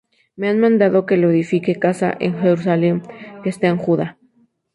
me ha mandado que le edifique casa en Jerusalem, que está en Judá.